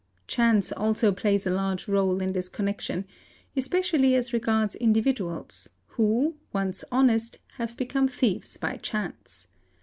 Chance also plays — a large réle in this connection, especially as regards individuals who, once honest, have become thieves by chance.